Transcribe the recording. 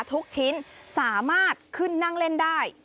ทุกชิ้นสามารถขึ้นนั่งเล่นได้